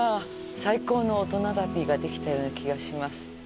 最高の大人旅ができたような気がします。